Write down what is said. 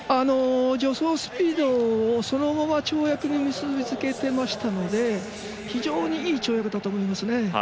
助走スピードをそのまま跳躍に結び付けてましたので非常に、いい跳躍だと思いますね。